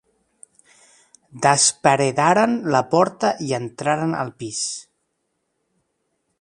Desparedaren la porta i entraren en el pis.